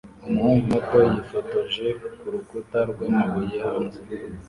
Umuhungu muto yifotoje kurukuta rwamabuye hanze